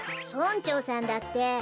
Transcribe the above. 村長さんだって。